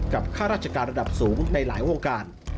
ข้าราชการระดับสูงในหลายวงการ